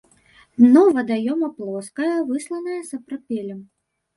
Дно вадаёма плоскае, высланае сапрапелем.